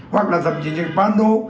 hoặc là thậm chí những cái pano